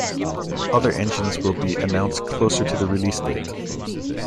Other engines will be announced closer to the release date.